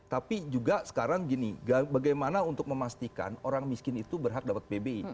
tapi juga sekarang gini bagaimana untuk memastikan orang miskin itu berhak dapat pbi